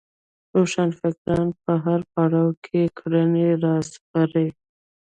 روښانفکر په هر پړاو کې کړنې راسپړي